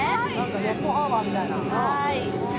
ヨットハーバーみたいな。